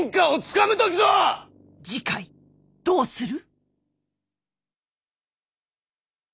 次回どうする？